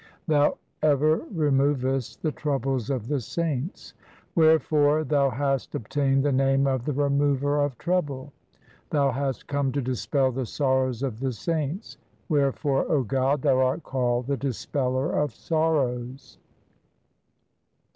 Thou ever removest the troubles of the saints ; Wherefore Thou hast obtained the name of the Remover of trouble. Thou hast come to dispel the sorrows of the saints ; Wherefore, O God, Thou art called the Dispeller of sorrows.